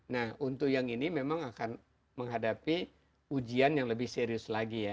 nah untuk yang ini memang akan menghadapi ujian yang lebih serius lagi ya